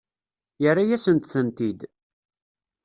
Yerra-yasent-tent-id.